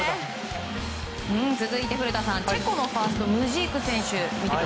続いて古田さんチェコのファーストムジーク選手！